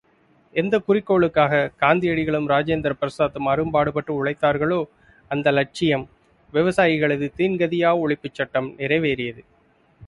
எந்தக் குறிக்கோளுக்காக காந்தியடிகளும் ராஜேந்திர பிரசாத்தும் அரும்பாடுபட்டு உழைத்தார்களோ, அந்த லட்சியம் விவசாயிகளது தீன்கதியா ஒழிப்புச் சட்டம் நிறைவேறியது.